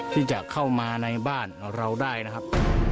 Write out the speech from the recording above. ที่จะเข้ามาในบ้านเราได้นะครับ